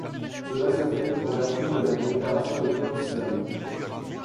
Cela se fait en vertu de la Déclaration de Potsdam.